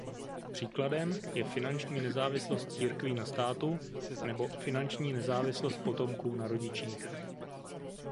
Příkladem je "finanční nezávislost církví na státu" nebo "finanční nezávislost potomků na rodičích".